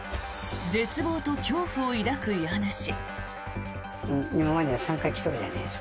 絶望と恐怖を抱く家主。